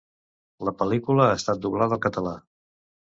La pel·lícula ha estat doblada al català.